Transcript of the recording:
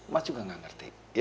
mas juga ga ngerti